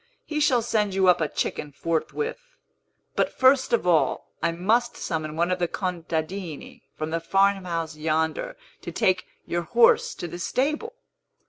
He shall send you up a chicken forthwith. But, first of all, I must summon one of the contadini from the farmhouse yonder, to take your horse to the stable."